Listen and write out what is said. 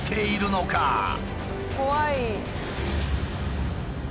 怖い！